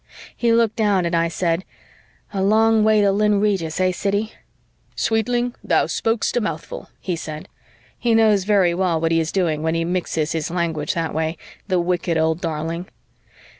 He looked down and I said, "A long way to Lynn Regis, eh, Siddy?" "Sweetling, thou spokest a mouthful," he said. He knows very well what he is doing when he mixes his language that way, the wicked old darling.